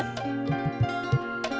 rejeki budak soleh